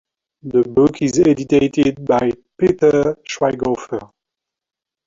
The book is edited by Peter Schweighofer.